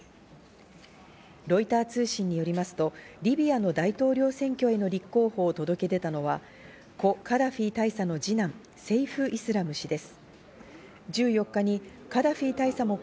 ロイター通信によりますとリビアの大統領選挙への立候補を届け出たのは、故・カダフィ大佐の二男、セイフ・イスラム氏です。